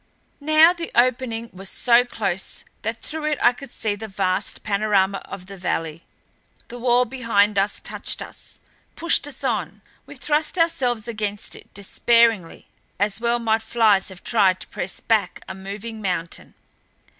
Now the opening was so close that through it I could see the vast panorama of the valley. The wall behind us touched us; pushed us on. We thrust ourselves against it, despairingly. As well might flies have tried to press back a moving mountain.